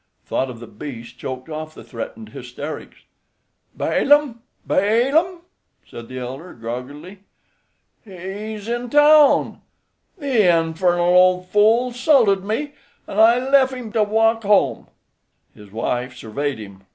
Thought of the beast choked off the threatened hysterics. "Balaam? Balaam?" said the elder, groggily. "He's in town. The infernal ole fool 'sulted me, an' I lef' him to walk home." His wife surveyed him.